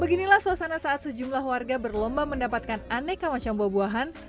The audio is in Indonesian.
beginilah suasana saat sejumlah warga berlomba mendapatkan aneka macam buah buahan